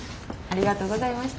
ありがとうございます。